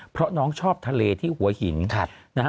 เพราะน้องชอบทะเลที่หัวหินนะฮะ